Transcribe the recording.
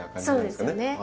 そうですよね。